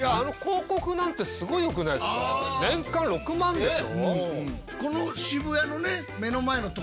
年間６万でしょ？